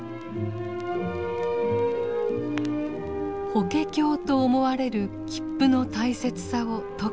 法華経と思われる切符の大切さを説く男。